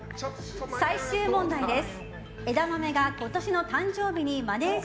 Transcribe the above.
最終問題です。